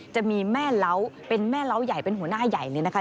จะมีแม่เล้าเป็นแม่เล้าใหญ่เป็นหัวหน้าใหญ่เลยนะคะ